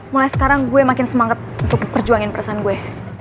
mulai sekarang gue makin semangat untuk perjuangin perasaan gue